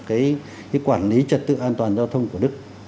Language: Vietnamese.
cái quản lý trật tự an toàn giao thông của đức